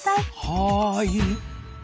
はい。